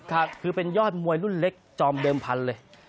คือเป็นยอดมวยรุ่นเล็กจอมเดิมพันธุ์เลย